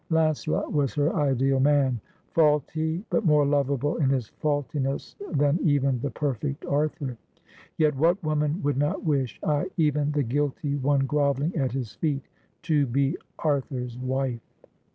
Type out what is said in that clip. Launcelot was her ideal man — faulty, but more lovable in his f aultiness than even the perfect Arthur. Yet what woman would not wish — ay, even the guilty one grovelling at his feet — to be Arthur's wife